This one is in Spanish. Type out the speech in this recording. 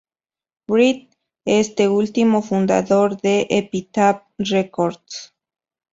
Brett, este último fundador de Epitaph Records.